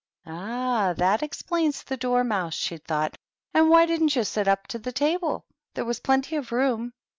"Ah, that explains the Dormouse," she thought. " And why didn't you sit up to the table ? there was plenty of room."